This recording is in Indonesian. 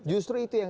justru itu yang